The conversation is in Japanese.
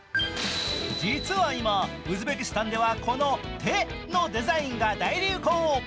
実は今、ウズベキスタンでは、この「て」のデザインが大流行。